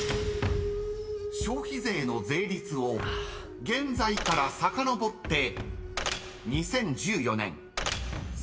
［消費税の税率を現在からさかのぼって］